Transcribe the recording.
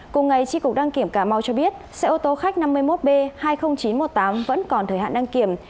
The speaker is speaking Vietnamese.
cùng ngày tri cục đăng kiểm cà mau cho biết xe ô tô khách năm mươi một b hai mươi nghìn chín trăm một mươi tám vẫn còn thời hạn đăng kiểm